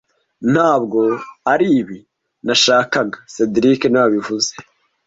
Ntabwo aribi nashakaga cedric niwe wabivuze